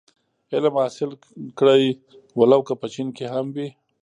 علم حاصل کړی و لو که په چين کي هم وي.